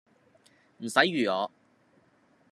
唔使預我